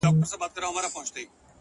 دغه ياغي خـلـگـو بــه منـلاى نـــه ـ